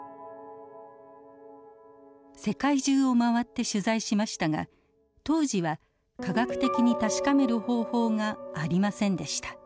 世界中を回って取材しましたが当時は科学的に確かめる方法がありませんでした。